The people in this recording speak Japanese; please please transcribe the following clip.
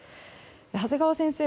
長谷川先生